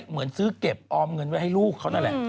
เหมือนซื้อเก็บออมเงินไว้ให้ลูกเขานั่นแหละ